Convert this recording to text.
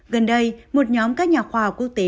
gần đây một nhóm các nhà khoa học quốc tế